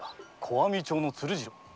小網町の鶴次郎？